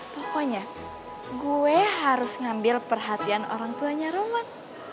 pokoknya gue harus ngambil perhatian orang tuanya romo